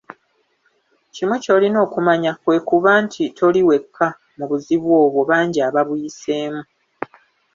Kimu ky'olina okumanya kwe kuba nti toli wekka mu buzibu obwo bangi ababuyiseemu